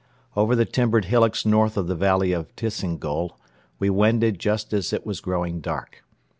Over the timbered hillocks north of the valley of Tisingol we wended just as it was growing dark.